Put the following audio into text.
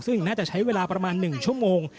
ซึ่งน่าจะใช้เวลาประมาณ๑ชั่วโมง